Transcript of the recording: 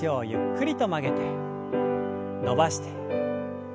伸ばして。